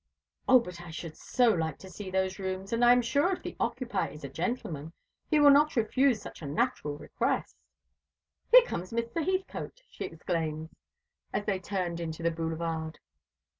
"O, but I should so like to see those rooms, and I am sure if the occupier is a gentleman, he will not refuse such a natural request. Here comes Mr. Heathcote," she exclaimed, as they turned into the Boulevard.